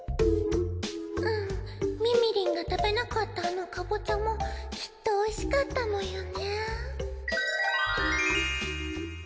あっみみりんが食べなかったあのカボチャもきっとおいしかったのよね